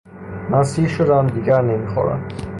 من سیر شدم دیگر نمیخورم